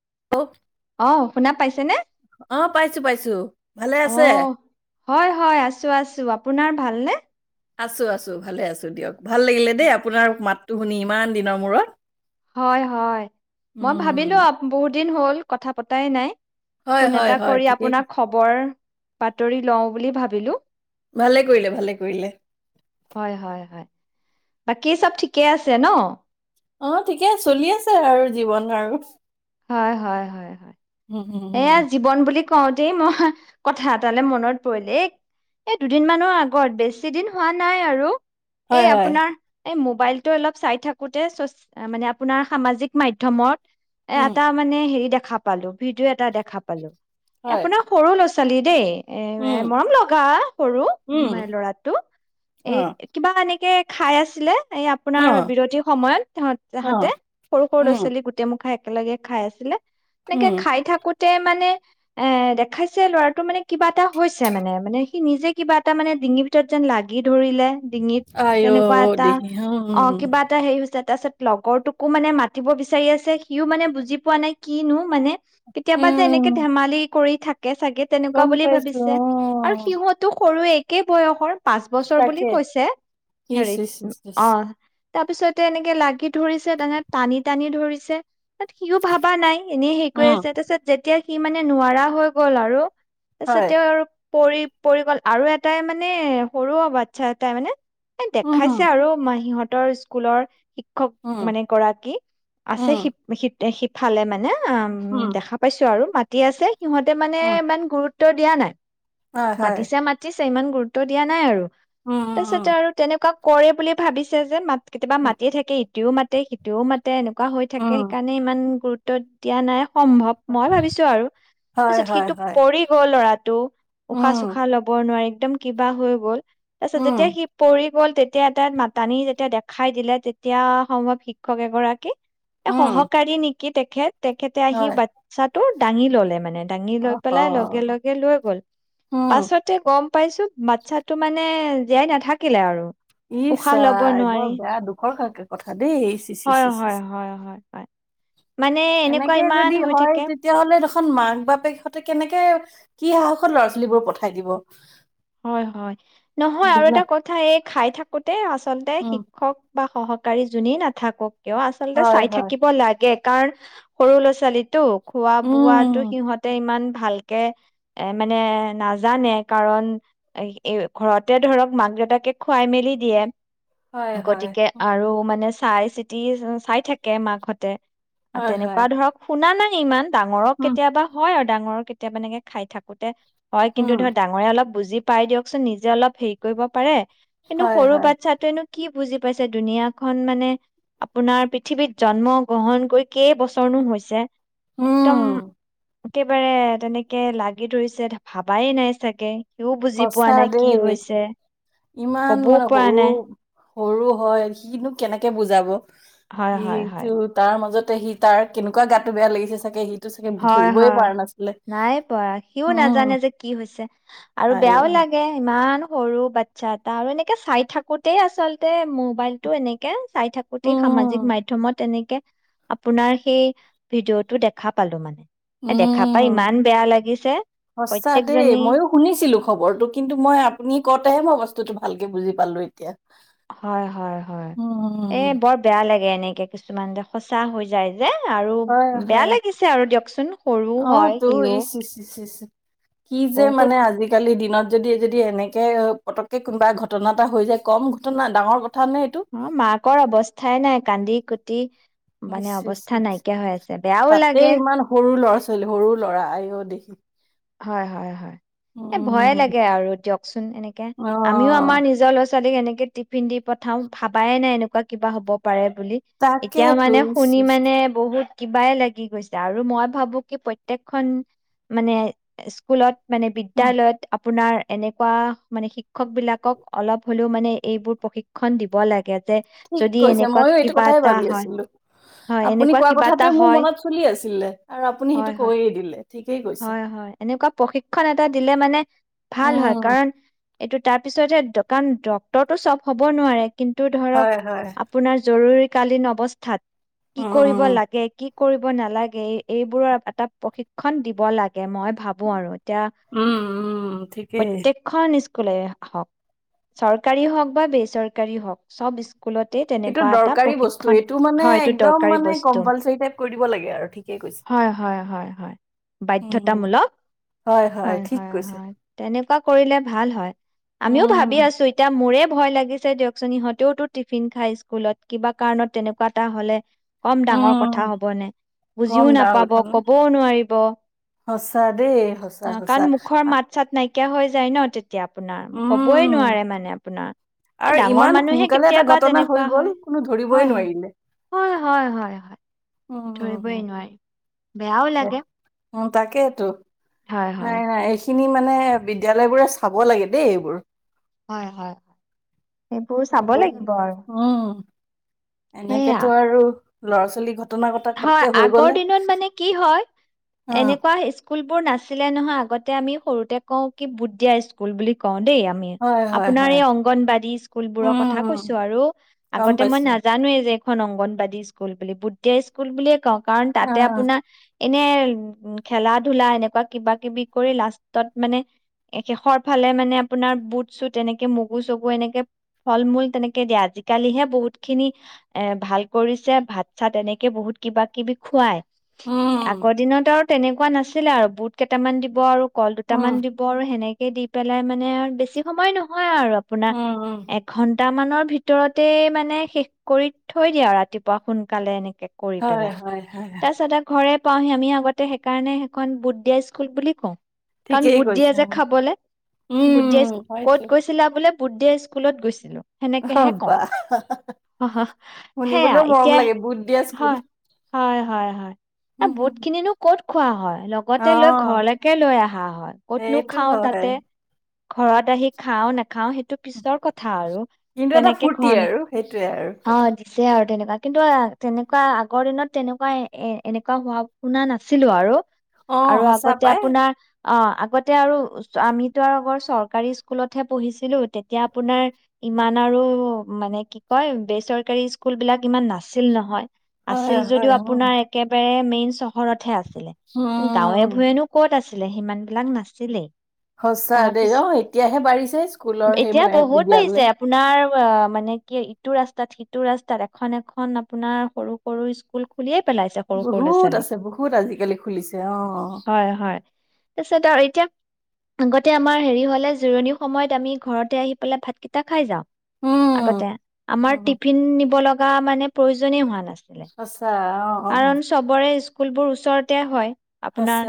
[unintelligible] অ', শুনা পাইছেনে। অ', পাইছো-পাইছো। অ', হয়-হয় আছো-আছো আপ আপোনাৰ ভালনে। আছো-আছো ভালে আছো দিয়ক, ভাল লাগিলে দেই আপোনাৰ মাতটো শুনি ইমান দিনৰ মূৰত। হয়-হয়, মই ভাবিলো উম, আপ-বহুত দিন হ'ল কথা পতাই নাই। হয় ফোন হয় এটা হয় কৰি ঠিকেই আপোনাক খবৰ বাতৰি লওঁ বুলি ভাবিলো। ভালে কৰিলে, ভালে কৰিলে। হয় হয় হয় বাকী চব ঠিকে আছে ন। অ', ঠিকে চলি আছে আৰু জীৱন আৰু। হয়, হয়, হয়, হয়। উম, উম, উম। এয়া জীৱন বুলি কওঁ তেই মই কথা এটালে মনত পৰিল। এ, এ দুদিন মানৰ আগত বেছি দিন হোৱা নাই আৰু হয় এই হয়। আপোনাৰ এই মোবাইলটো অলপ চাই থাকোতে ছচি-মানে আপোনাৰ সামাজিক মাধ্যমত এ, উম, এটা মানে হেৰি দেখ দেখা পালো, ভিডিঅ' এটা দেখা পালো। হয়। আপোনাৰ সৰু লছ চালি দেই এ, উম, ম-মৰম লগা সৰু উম, মা-ল'ৰাটো, এ অ' কিবা এনেকে খাই আছিলে এই আপোনাৰ অ' বিৰতিৰ সময়ত তেহঁত-তেহঁতে, অ' সৰু-সৰু ল'ৰা উম, ছোৱালী গোটেই মখাই একেলগে খাই আছিলে এনেকে উম। খাই থাকোতে মানে এ, দেখাইছে ল'ৰাটো মানে কিবা এটা হৈছে মানে-মানে সি নিজে কিবা এটা মানে ডিঙিৰ ভিতৰত যেন লাগি ধৰিলে ডিঙিত, আই তেনেকুৱা অ' এটা দেহি উম, অ, কিবা এটা হেৰি হৈছে তাৰপাছত লগৰটোকো মানে মাতিব বিচাৰি আছে সি সিও মানে বুজি পোৱা নাই কিনো মানে কেতিয়াবা যে এনেকে উম। ধেমালি কৰি থাকে চাগে চাগে তেনেকুৱা গম বুলি পাইছোঁ ভাবিছে আৰু সিহঁতো সৰুৱে ক বয়সৰ পাঁচ অ' বছৰ বুলি তাকে। কৈছে ইচ হেৰি ইচ ইচ ইচ। অ তাৰপিছতে এনেকে লাগি ধৰিছে তানে টানি টানি ধৰিছে তাত সিও ভাবা নাই এনেই হেৰি কৰি উম, আছে তাৰপিছত যেতিয়া সি মানে নোৱাৰা হৈ গ'ল আৰু হয়। তাৰপিছততে আৰু পৰি পৰি আৰু এটাই মানে সৰু বাচ্ছা এটাই মানে এ উম, দেখাইছে হুম আৰু মাহীহঁত ৰ স্কুলৰ শিক্ষক উম। মানে গৰাকী আছে শ সি সিফালে মানে উ দেখা পাইছো আৰু ম তি আছে সিহঁতে মানে ইমান গুৰুত্ব ত দিয়া নাই মাতিছা মাতিছ ইমান গুৰুত্ব দিয়া নাই আৰু তাৰছিতে আৰু তেনেকুৱাক কৰে বুলি ভাবিছে যে মাত কেতিয়াবা মায় থাকে সও মাতে সিটোও মাতে তে এনেকুৱা হৈ থাকে তাক সেইকাৰণে ইমান গুৰুত্ব উ দিয়া নায়ক সম্ভৱ মই ভাবিছো আৰু তাৰপিছত সিটো পৰি গ'ল ল'ৰাটো উশাহ চোশাহ ল'ব নোৱাৰি একদম কিবা হৈ গ'ল তাৰ পিছত যেতিয়া সি পৰি কি গ'ল তেতিয়া এটাাত মাতানি যেতিয়া দেখাই দিলে তেতিয়া সম্ভৱ শিক্ষক এগৰাকী এ সহকাৰী নেকি কি তেখেত তেখেতে আহি বাচ্ছাটো দাঙি ল'লে মানে। দাঙি লৈ পেলাই লগে লগে লৈ গল পাছতে গম পাইছো বাচ্ছাতটো মানে জীয়াই নাথাকিলে আৰু। ইছ উশাহ ল'ব চাই বৰ নোৱাৰি। বেয়া দুখৰ কাকে কথা দেই ইচ ইচ হয়, হয়, চি। হয়, হয়, হয়। মানে এনেকুৱা এনেকে ইমান যদি হৈ হয় থাকে। তেতিয়াাহ'লে দেখোন মাক বাপেক সহঁতে কেনেকে কি সাহসত ল'ৰা ছোৱালী বোৰ পঠাই দিব। হয় হয় নহয় আৰু বিনা এটা কথা এক খাই থাকোতে আছে আচলতে উম, শিক্ষক বা সহকাৰী যোনেই নাথাকক কিয় আচলতে হয় চাই হয়। থাকিব লাগে কাৰণ সৰু ল'ৰা ছোৱালীতো। খোৱা বোৱাাতো উম, সিহঁতে ইমান, ভালকে এ মানে নাজানে কাৰণ এ ঘৰতে ধৰক মাক দেউতাকে খুৱাই মেলি দিয়ে। হয় হয়। গতিকে আৰু মানে চাই চিতি চাই থাকে মাকহঁতে, আৰু হয় হয়। তেনেকুৱা ধৰক শুনা নাই। ইমান ডাঙৰক উম, কেতিয়াবা হয় আৰু ডাঙৰ কেতিয়াবা এেকে খাই থাকোতে হয় কিন্তু উম, ধৰক ডাঙৰে অলপ বোজি পাই দিয়কচোন নিজে অলপ হেৰি কৰিব পাৰে, কিন্তু হয় সৰু হয়। বাচ্ছাটোৱেনো কি বুজি পাইছে দুুনীয়া খন মানে আপোনাৰ পৃথিৱীত জন্ম গ্ৰহণ কৰি কেইবছৰনো হৈছে। উম, একদম একেবাৰে তেনেকে লাগি ধৰিছে ভাবাই নাই চাগে। সিও বুজি পোৱা সঁচা নাই কি দেই হৈছে ইমান কবও মানে পৰা সৰু নাই সৰু হয় সিনো কেনেকে বুজাব। হয় হয় সেটো হয় তাৰ মাজত সি তাৰ কেনেকুৱা গাতটো বেয়া লাগিছে চাগে সি হয় হয় নাই পোৱা সিও উম নাজানে যে কি হৈছে আৰু আই বেয়াও ঐ লাগে ইমান। ইামান সৰু বাচ্ছা এটা আৰু এনেকে চাই থাকোতেই আচলতে মোবাইলটো এনেকে চাই থাকোতেই সামাজিক উম মাধ্যমত এনেক আপোনাৰ সেই ভিডিঅটো দেখা। পালো মানে। এ দেখা পাই ইমান উম বেয়া লাগিছে সঁচা দেই, প্ৰত্যেকজনী ময়ো শুনিছিলো খবৰটো কিন্তু মই আপুনি কওঁতেহে মই ভালকে বুজি পালো এতিয়া। হয়, হয়, হয় এ উম বৰ বেয়া লাগে এনে [unintelligible] কে কিছুমান যে সঁচা হৈ যায়। যে আৰু বেয়া হয়-হয়, লাগিছে আৰু দিয়কচোন সৰু হয় অহতো সিও ইচ ইচ ইছচ কি যে বহুত মানে আজিকালি দিনত। যদি যদি এনেকে পতককে কোনোবা ঘটনা এটা হৈ যায় কম ঘটনা ডাঙৰ ঘটনা উঃ মাকৰ অৱস্থাই নাই কান্দি গুটি ইছ ইছ ইছ, বেয়াও তাতে লাগে ইমান সৰু ল'ৰা ছোৱালী। সৰু ল'ৰা আইও দেহি। হয় হয় হয়, এই ভয়ে উম, লাগে আৰু দিয়কচোন এনেকে আমিও আমাৰ অ' নিজৰ লৰা ছোৱালীক। ছোৱালীক এনেকে টিফিন দি পঠাওঁ ভাবাই নাই এনেকুৱা কিবা হ'ব পাৰে। বুলি, এতিয়া তাকেতো মানে ইচ শুনি ইচ মানে বহুত কিবাই লাগি গৈছে আৰু মই ভাবো কি প্ৰত্যেকখন মানে। স্কুলত মানে উম, বিদ্যয়ালয়ত। আপোনাৰ এনেকুৱা মানে, শিক্ষক বিলাকক অলপ হ'লেও মানে এইবোৰ প্ৰশিক্ষণ দিব লাগে। যে ঠিক যদি কৈছে এনেকুৱা মইও এইটো কিবা কথাই এটা ভাবি হয় আছিলো, হয় আপুনি এনেকুৱা কোৱা কিবা এটা কথাটোোৱে মোৰ হয় মনত চলি আছিলে আৰু আপুনি হয় সেইটো হয় কৈয়ে দিলে। ঠিকেই কৈছে। হয় হয় এনেকুৱা প্ৰশিক্ষণ এ টা দিলে মানে ভাল উম, হয় কাৰণ এইটো তাৰ পিছতহে, কাৰণ ডক্তৰটো চব হব নোৱাৰে। কিন্তু ধৰক হয় হয় আপোনাৰ জৰুৰী কালীন অৱস্থাত কি উম, কৰিব উম, লাগে কি কৰিব নালাগে, এইবোৰৰ এটা প্ৰশিক্ষণ দিব বলা মই ভাবো আৰু এতিয়া উম, ঠিকেই। প্ৰতেইকখন স্কুল হওক চৰকাৰ হওক বা বেচৰকাৰী হওক চব স এইটো দৰকাৰী বস্তু এইটো মানে হয় এইটো একদম দৰকাৰী মানে বস্তু কম্পালচাৰী টাইপ কৰি দিব লাগে আৰু ঠিকেই কৈছে। হয় হয় হয় হয় উম, বাধ্যতামূলক। হয় হয় হয়। তেনে এনেকুৱা কৰিলে ভাল হয়। আমিও ভাবি উম, আছোঁ। এতিয়া মোৰে ভয় লাগিছে দিয়কচোন। ইহঁতেওতো টিফিন খাই স্কুলত, কিবা কাৰণত তেনেকুৱা এটা হ'লে, কম ডাঙৰ উম। কথা হবনে! বুজিও কম ডাঙৰ নাপাব কথা নে কবও নোৱাৰিব। সঁচা দেই। সঁচা সঁচা। কিয়া হৈ যায় ন, তেতি তিয়া আপোনাৰ। কবই উম নোৱাৰে মানে আপোনাৰ। আৰু ডাঙৰ ইমান মানুহে সোনকালে এটা কেতিয়াবা ঘটনা হৈ তেনেকুৱা গ'ল হয়। কোনো ধৰিবই হয় হয়। নোৱাৰিলে হয় হয় হয় হয়। উম উম ধৰিবই উম। নোৱাৰি বেয়াও লাগে। উম্ তাকেইটো। হয়, হয়। নাই নোৱাৰিছ খিনি মানে বিদ্যালয় বোৰে চাব লাগে দেই এইবোৰ। হয় হয়। সেইবোৰ চাব এইবোৰ লাগিব আৰু। উম সেয়া এনেকেতো আৰু, ল'ৰা ছোৱালী ঘ হয়, আগৰ দিনত মানে কি হয়, অ এনেকুৱা স্কু স্কুলবোৰ নাছিলে নহয় আগতে আমি সৰুতে কওঁ কি বুট দিয়া স্কুল বুলি কওঁ দেই আমি। হয় হয় আপোনাৰ হয় এই অংগনবাদী স্কুল বোৰৰ উম কথা উম, কৈছো আৰু। গম আগতে মই পাইছো নাজানোয়ে যে খন অংগনবাদী স্কুল বুলি। বুট দিয়া স্কুল বুলিয়ে কওঁ। কাৰণ অ তাতে আপোনাৰ এনে, খেলা ধূলা এনেকুৱা কিবা কিবি কৰি লাষ্টত মানে শেষৰ ফালে মানে আপোনাৰ বুট চুট এনেকে মগু চগু এনেকে ফল মূল তেনেকে দিয়ে। আজিকালিহে বহুত খিনি এ ভাল কৰিছে ভাত চাত এনে কে বহুত কিবা কিবি খুৱায়। আগৰ উম দিনত আৰু তেনেকুৱা নাছিলে আৰু বুট কেইটামান দিব আৰু কল উম দুটামান দিব আৰু সেনে কে দি পেলাই মানে আৰু বেছি সময় নহয় আৰু, আপোনাৰ উম উম এখন, দুটামানৰ ভিতৰতেই মানে শেষ কৰি থৈ দিয়ে আৰু ৰাতিপুৱা সোনকালে এনেকে কৰি হয় পেলাই। হয় হয় তাৰপিছতে ঘৰে পাওহি আমি আগতে সেইকাৰণে এখন বু দিয়া স্কুল বুলি কওঁ কাৰণ ঠিকেই বুদ্ধিয়ে কৈছে যে খাবলৈ উম বুদ্ধিয় হয়তো ক'ত গৈছিলে বোলে বুট দিয়া স্কুলত গৈছিলোঁ অ বা সেয়া শুনিবলৈও মৰম এতিয়া লাগে বুট দিয়া স্কুল। হয় হয় হয় হয় বহুত খিনিনো কত খোৱা হয় লগতে লৈ অ', ঘৰলৈকে লৈ আহা হয় ক'তনো সেইটো খাও হয় তাতে ঘৰত আহি খাও নাখাও সেইটো পিছৰ কথা আৰু কিন্তু এটা তেনেকে ঘ ফূৰ্তি আৰু সেইটোয়ে আৰু অ এটা। দিছে আৰু তেনেকুৱা কিন্তু তেনে এনেকুৱা আগৰ দিনত তেনেকুৱা এ এনেকুৱা হোৱা শুনা নাছিলো আৰু অ', আৰু সঁচা আগতে পাই আপোনাৰ অ লগতে আৰু আমিতো আৰু আগৰ চৰকাৰী স্কুলতহে পঢ়িছিলো তেতিয়া আপোনাৰ ইমান আৰু মানে কি কয় বেচৰকাৰী স্কুল বিলাক ইমান নাছিল নহয় হয় আছিল হয় যদিও উম, আপোনাৰ একেবাৰে মেইন চহৰতহে আছে আছিল গাঁৱে উম। ভূঞেনো ক'ত আছিল আছিলে সিমান বিলাক নাছিলে সচা দেই অ এতিয়াহে বাঢ়িছে স্কুলৰ সেই মানে বিদ্যয়ালয় অ মানে কি ইটো ৰাস্তাত সিটো ৰাস্তাত এখন এখন আপোনাৰ সৰু সৰু স্কুল খুলিয়ে পেলাইছে সৰু সৰু ল'ৰা বহুত ছোৱালী আছে বহুত আজিকালি খুলিছে অ', হয় হয় তাৰছত আৰু এতিয়া আগতে আমাৰ হেৰি হলে জোৰণি সময়ত আমি ঘৰতে আহি পেলাই ভাতকেইটা খাই যাওঁ আগতে উম। আমাৰ উম, টিফিন নিব লগা মান প্ৰোজন হোৱা নাই সঁচা অ', অ', অ কাৰণ চবৰে স্কুলবোৰ ওচৰতে হয় আপোনাৰ সঁচা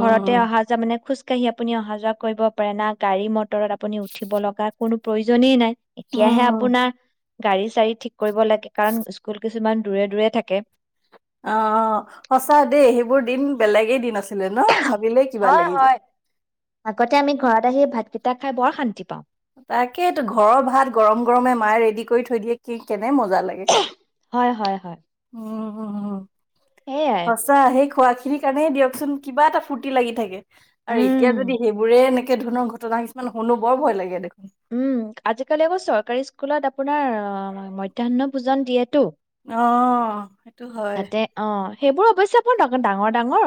ঘৰতে অহা যে মানে খোজকাঢ় কাঢ়ি আপুনি অহা যোৱা কৰিব পাৰে না গাড়ী মটৰত আপুনি উঠিব লগা কোনো প্ৰয়োজনেই নাই এতিয়াহে উম। আপোনাৰ গাড়ী চাড়ী ঠিক কৰিব লাগে কাৰণ স্কুল কিছুমান দূৰে দূৰে থাকে অ সঁচা দেই সেইবোৰ দিন বেলেগেই দিন আছে হয় হয় আগতে আমি ঘৰত এ সেই ভাতকেইটা খাই বৰ শান্তি পাওঁ তাকেতো ঘৰৰ ভাত গৰম গৰমে মায়ে ৰেডি কৰি থৈ দিয়ে কি কে মজা লাগে হয় হয় হয় উম', উ - উ - উ সেয়াই সচা সেই খোৱা খি সিনিৰ কাৰণেই দিয়কচোন কিবাটা ফুৰ্তি লাগি থাকে। আৰু এতিয়া উম যদি সেইবোৰে এনেক একেই ধৰণৰ ঘটনা কিছুমান শুনো বৰ ভয় লাগে দেখোন। উম', আজিকালি আকৌ চৰকাৰী স্কুলত আপোনাৰ মধ্যাহ্ন ভোজন দিয়ে। অহ ', সেইটো হয়। তাতে অ সেইবোৰ অৱশ্যে আপোনাৰ ডঙৰ -ডাঙৰ -ডাঙৰ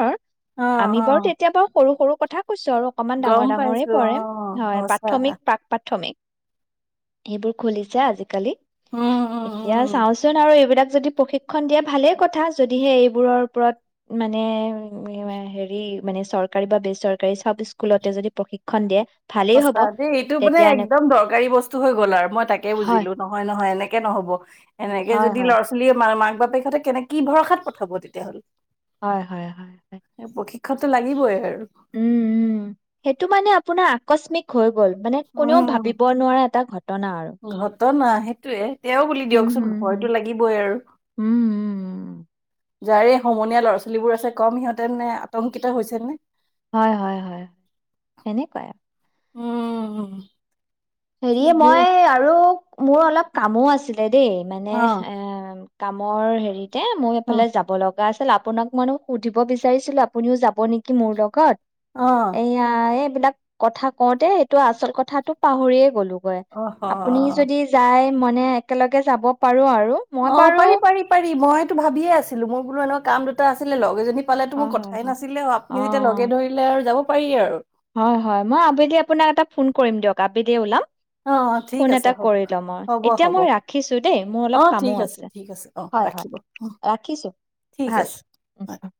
অ', আমি বাৰু অ', তেতিয়া বাৰু সৰু- সৰু পঠাক কৈছো আৰু অকমান ডাঙৰ গম -ডাঙৰে পাইছো পৰে অ', হয় সঁচা। প্ৰাথমিক পাক মেক, সেইবোৰ খুলিছা আজিকালি। উম, উম, এতিয়া উম, চাওচোন আৰু এইবিলাক। যদি প্ৰশিক্ষন দিয়ে ভালে কথা যদিহে এইবোৰৰ ওপৰত মানে হেৰি মানে চৰকাৰী বা বেচৰকাৰী চব স্কুলতে যদি প্ৰশিক্ষন দিয়ে। ভালেই হ'ব সছা দেই এইটো মানে তেতিয়া এনে একদম দৰকাৰী বস্তু হৈ গ'ল আৰু মই তাকে হয় বুজিলো নহয় - নহয় এনেকে নহব এনেকে হয় যদি হয় ল'ৰা ছোৱালী। মা মাক বাপেকহঁতে কেনে কি ভৰসাত পঠাব তেতিয়া হলে। হয়- হয় - হয় শপটো লাগিবই আৰু উম', উ', সেইটো মানে আপোনাৰ আকস্মিক হৈ গ'ল মানে কোনেও উম ভাবিব নোৱাৰা এটা ঘটনা আৰু। টনা সেইটোৱে তেওঁ বুলি উম দিয়কচোন হুম হুম ভয়তো লাগিবই আৰু। উম উম উম যাৰে সমনীয়া ল'ৰা ছোৱালীবোৰ আছে কম সিহঁতে নে আতংকিত হৈ হৈছে নে। হয়- হয় - হয় সেনেকুৱাই। উম', হেৰি কি যে মই আৰু মোৰ অলপ কামো আছিল। হেৰি মানে অ এ কামৰ হেৰিত দে মই অ এইফালে যাব লগা দৰাচলতে আপোনাক মানে সুধিব বিচাৰিছিলো আপুনিও যাব নেকি মোৰ লগত। অ এয়া এইবিলাক, কথা কওঁতে এইটো আচল কথাটো পাহৰিয়ে গলো অহ আপুনি যদি যায় মানে একেলগে যাব পাৰো আৰু মই অ বাৰু পাৰি পাৰি পাৰি মই ভাবিয়ে আছিলো মোৰ বোলো এনেকুৱা কাম দুটা আছিলে লগ এজনী পালেতো অ মোৰ হয় কথাই হয় নাছিলে আপুনি যেতিয়া লগে অ', ধৰিলে আৰু যাব উপাই আৰু হয় হয় মই আবেলি আপোনাক এ ফোন কৰিম দিয়ক আবেলি ওলাম অ অ ঠিক ফোন আছে এটা হ'ব কৰি লম আৰু হ'ব এতিয়া হ'ব মই ৰাখিছো দেই মোৰ অ অলপ কামো ঠিক আছে ঠিক অ হয় হয় ৰাখিব উম, ৰাখিছো ঠিক ভাল আছে উ হয় উম